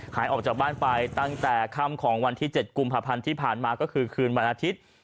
หายออกจากบ้านไปตั้งแต่ค่ำของวันที่๗กุมภาพันธ์ที่ผ่านมาก็คือคืนวันอาทิตย์